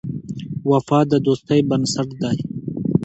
وفا د دوستۍ بنسټ دی.